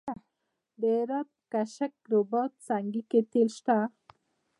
د هرات په کشک رباط سنګي کې تیل شته.